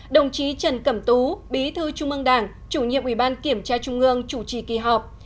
đồng chí trần cẩm tú bí thư trung ương đảng chủ nhiệm ủy ban kiểm tra trung ương chủ trì kỳ họp